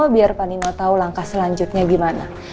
biar pak nino tahu langkah selanjutnya gimana